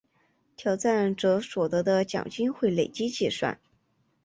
挑战者所得的奖金会累积计算。